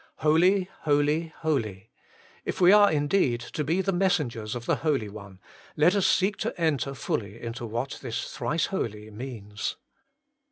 Holy, holy, holy : if we are indeed to be the messengers of the Holy One, let us seek to enter fully into what this Thrice Holy means.